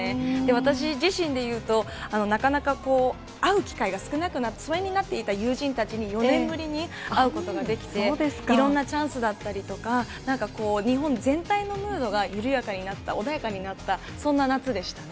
私自身で言うと、なかなか会う機会が少なくなって、疎遠になっていた友人たちに４年ぶりに会うことができて、いろんなチャンスだったりとか、なんかこう、日本全体のムードが緩やかになった、穏やかになった、そんな夏でしたね。